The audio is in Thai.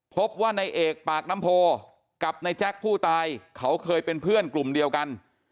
พบว่าในเอกปากน้ำโพกับในแจ๊คผู้ตายเขาเคยเป็นเพื่อนกลุ่มเดียวกัน